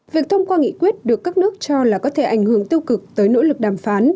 việc thông qua nghị quyết được các nước cho là có thể ảnh hưởng tiêu cực tới nỗ lực đàm phán